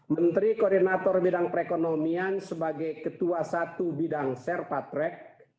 menteri koordinator bidang perekonomian sebagai ketua satu bidang serpatrek